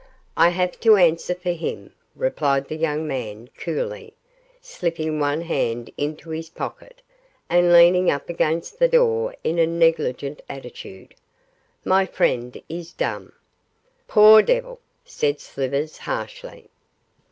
'I have to answer for both,' replied the young man, coolly, slipping one hand into his pocket and leaning up against the door in a negligent attitude, 'my friend is dumb.' 'Poor devil!' said Slivers, harshly.